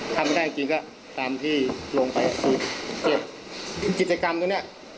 ทำไม่ได้จริงก็ตามที่ลงไปกิจกรรมตัวเนี้ย